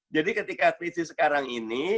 jadi ketika krisis sekarang ini